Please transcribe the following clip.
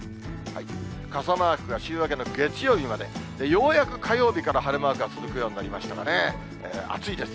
傘マークが週明けの月曜日まで、ようやく火曜日から晴れマークが続くようになりましたがね、暑いです。